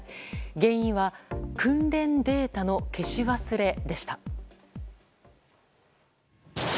原因は訓練データの消し忘れでした。